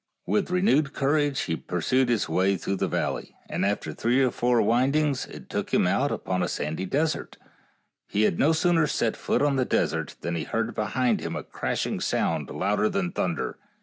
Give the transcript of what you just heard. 7 With renewed courage he pursued his way through the valley, and after three or four wind ings it took him out upon a sandy desert. He had no sooner set foot upon the desert than he heard behind him a crashing sound louder than thunder.